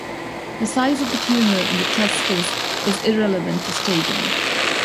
The size of the tumor in the testis is irrelevant to staging.